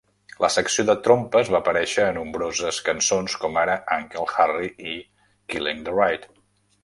La secció de trompes va aparèixer a nombroses cançons, com ara "Uncle Harry" i "Killing The Right".